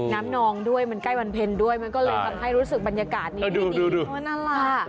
น้ำนองด้วยมันใกล้วันเพ็ญด้วยมันก็เลยทำให้รู้สึกบรรยากาศนี้ได้ดี